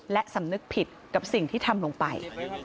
และสำนึกผิดกับสิ่งที่ทำลงไป